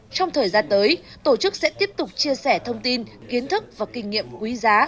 trong thời gian tới tổ chức sẽ tiếp tục chia sẻ thông tin kiến thức và kinh nghiệm quý giá